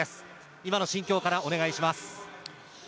今の心境からお願いします。